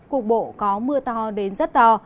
cuộc bộ có mưa to đến rất to